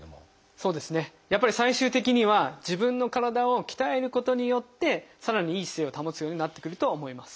そうですねやっぱり最終的には自分の体を鍛えることによってさらにいい姿勢を保つようになってくるとは思います。